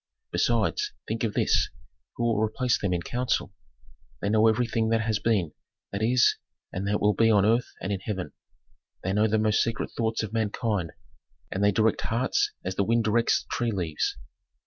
Besides, think of this: Who will replace them in counsel? They know everything that has been, that is, and that will be on earth and in heaven; they know the most secret thoughts of mankind, and they direct hearts as the wind directs tree leaves.